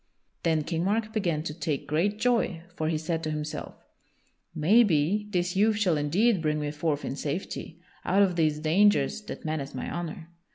Then King Mark began to take great joy, for he said to himself: "Maybe this youth shall indeed bring me forth in safety out of these dangers that menace my honor."